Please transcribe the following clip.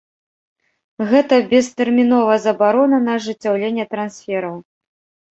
Гэта бестэрміновая забарона на ажыццяўленне трансфераў.